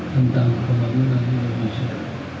tentang pembangunan indonesia